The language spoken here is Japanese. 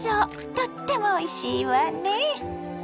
とってもおいしいわね。